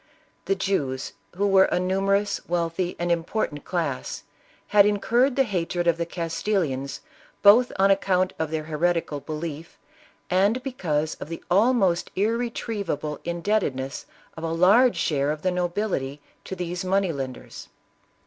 The Jews, who were a numerous, wealthy and impor tant class, had incurred the hatred of the Cnstilians, both on account of their heretical belief, and bcc.iuse of the almost irretrievable indebtedness of a large share of the nobility to these money lenders.